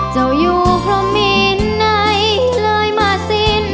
เจ้าอยู่พรหมีนไหนเลยมาสิ้น